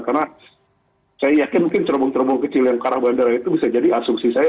karena saya yakin mungkin cerombong cerombong kecil yang karang bandar itu bisa jadi asumsi saya